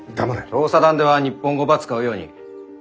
調査団では日本語ば使うように。